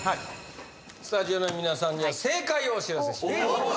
スタジオの皆さんには正解をお知らせします